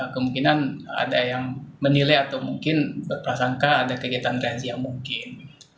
kemungkinan ada yang menilai atau mungkin berprasangka ada kegiatan razia mungkin